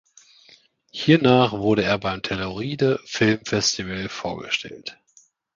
Hiernach wurde er beim Telluride Film Festival vorgestellt.